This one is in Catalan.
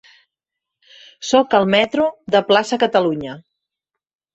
Soc al metro de Plaça Catalunya.